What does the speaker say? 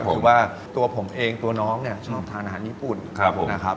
คือว่าตัวผมเองตัวน้องเนี่ยชอบทานอาหารญี่ปุ่นนะครับ